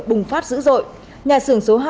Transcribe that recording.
bùng phát dữ dội nhà xưởng số hai